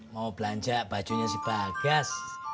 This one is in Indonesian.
mau belanja bajunya si bagas